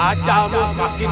acahmu seakin dekat rangga sokot